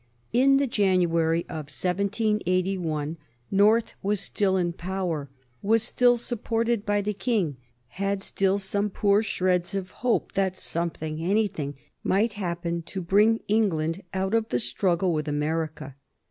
In the January of 1781 North was still in power, was still supported by the King, had still some poor shreds of hope that something, anything might happen to bring England well out of the struggle with America.